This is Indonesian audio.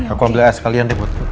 aku ambil es kalian deh buat nih ya